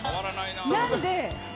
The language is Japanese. なんで。